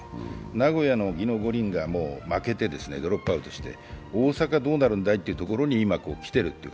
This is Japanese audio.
名古屋の技能五輪では負けてドロップアウトして大阪どうなるんだいというところに今、来ている。